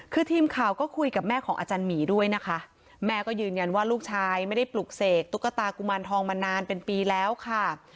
คือทีมข่าวก็คุยกับแม่ของอาจารย์หมีด้วยนะคะแม่ก็ยืนยันว่าลูกชายไม่ได้ปลุกเสกตุ๊กตากุมารทองมานานเป็นปีแล้วค่ะ